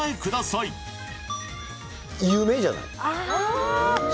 夢じゃない？